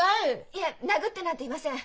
いえ殴ってなんていません。